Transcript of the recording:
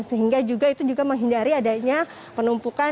sehingga juga itu juga menghindari adanya penumpukan